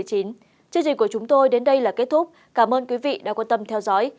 chương trình của chúng tôi đến đây là kết thúc cảm ơn quý vị đã quan tâm theo dõi